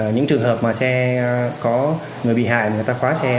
những trường hợp mà xe có người bị hại người ta khóa xe